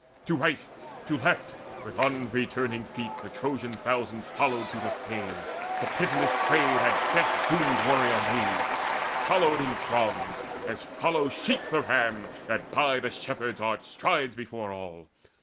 To right, to left, with unreturning feet The Trojan thousands followed to the fray, The pitiless fray, that death doomed warrior maid, Followed in throngs, as follow sheep the ram That by the shepherd's art strides before all.